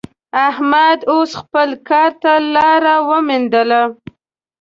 احمد اوس خپل کار ته لاره ومېندله.